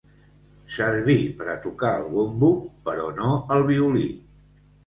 Servir per a tocar el bombo, però no el violí.